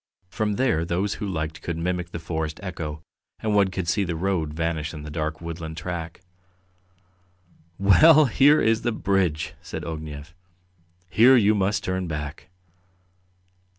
From there those who liked could mimic the forest echo, and one could see the road vanish in the dark woodland track. "Well, here is the bridge!" said Ognev. "Here you must turn back."